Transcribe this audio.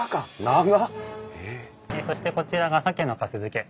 そしてこちらが鮭のかす漬け。